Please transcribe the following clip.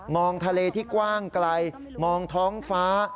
ทะเลที่กว้างไกลมองท้องฟ้า